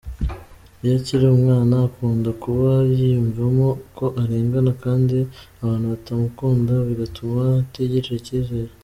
Iyo akiri umwana, akunda kuba yiyumvamo ko arengana kandi abantu batamukunda bigatuma atigirira icyizere.